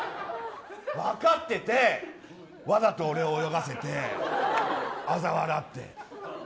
分かってて、わざと俺を泳がせてあざ笑って。